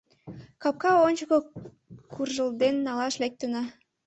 Капка ончыко куржылден налаш лектына.